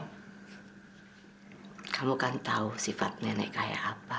karena kamu kan tahu sifat nenek kayak apa